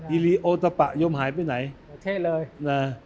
อิริโอตภะโยมหายไปไหนโอเคเลยน่ะ